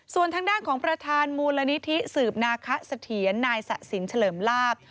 ส่วนทางด้านของประธานมูลนิธิสืบนาคะเสถียรนายสะสินเฉลิมลาบ